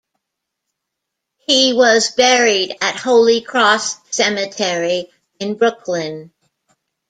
He was buried at Holy Cross Cemetery in Brooklyn.